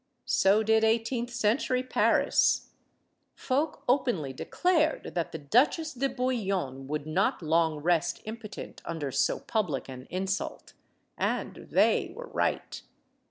So did eighteenth century Paris. Folk openly declared that 132 STORIES OF THE SUPER WOMEN the Duchesse de Bouillon would not long rest impotent under so public an insult. And they were right.